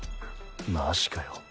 マジかよ。